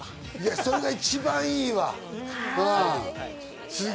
それが一番いいわ。